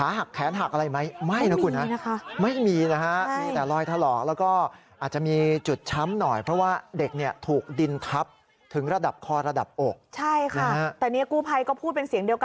อย่างที่เราเห็นข่าวกันรู้แหละว่ามีการต่อท่อออกซิเจนลงไปใช่ไหมคะ